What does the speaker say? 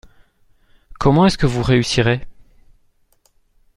Comment est-ce que vous réussirez ?